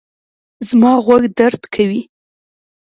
زما غوږ درد کوي